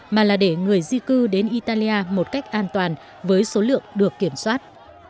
mà là để người di cư đến italia một cách an toàn với số lượng được kiểm soát